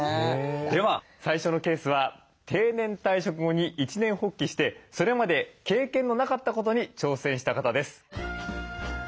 では最初のケースは定年退職後に一念発起してそれまで経験のなかったことに挑戦した方です。